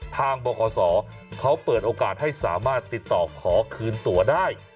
บคศเขาเปิดโอกาสให้สามารถติดต่อขอคืนตัวได้